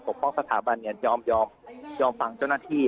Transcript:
ป้องสถาบันยอมฟังเจ้าหน้าที่